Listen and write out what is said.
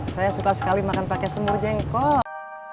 saya suka sekali makan pakai semur jengkol